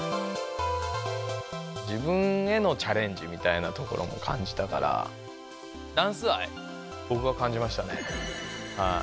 自分へのチャレンジみたいなところも感じたからダンス愛ぼくは感じましたね。